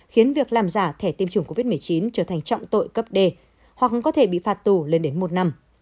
khiến việc làm giả thẻ tiêm chủng covid một mươi chín trở thành trọng tội cấp đề hoặc có thể bị phạt tù lên đến một năm